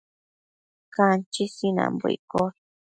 Canchi sinanbo iccosh